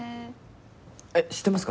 えっ知ってますか？